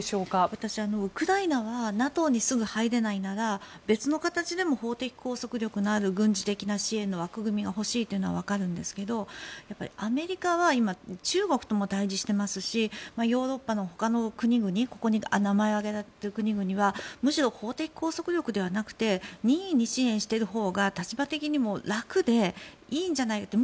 私はウクライナはＮＡＴＯにすぐ入れないなら別の形でも法的拘束力のある軍事的支援の枠組みが欲しいというのはわかるんですけどアメリカは今中国とも対峙していますしヨーロッパのほかの国々ここに名前が挙げられている国々はむしろ法的拘束力ではなくて任意に支援しているほうが立場的にも楽でいいんじゃないって。